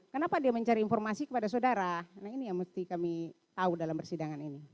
kenapa dia mencari informasi kepada saudara nah ini yang mesti kami tahu dalam persidangan ini